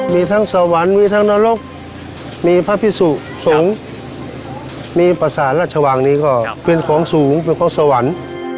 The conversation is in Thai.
มีทั้งสวรรค์มีทั้งนรกมีพระพิสุสงฆ์มีประสานราชวังนี้ก็เป็นของสูงเป็นของสวรรค์